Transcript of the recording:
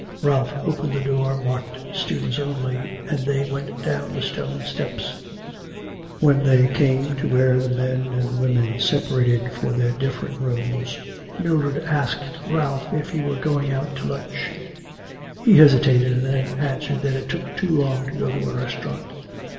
Ralph opened the door marked students only, and they went down the stone steps. When they came to where the men and women separated for their different rooms, Mildred asked Ralph if he were going out to lunch? He hesitated, and then answered that it took too long to go to a restaurant.